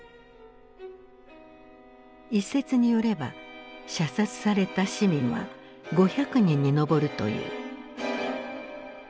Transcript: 一説によれば射殺された市民は５００人に上るという。